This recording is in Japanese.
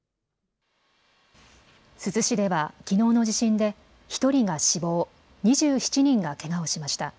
珠洲市ではきのうの地震で１人が死亡、２７人がけがをしました。